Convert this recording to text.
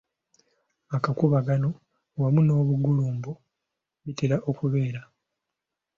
Akakuubagano wamu n’obugulumbo bitera okubeera.